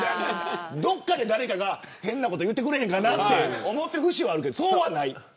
どっかで誰かが変なこと言ってくれへんかなって思っている節はあるけどそれはない。